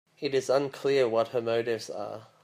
It is unclear what her motives are.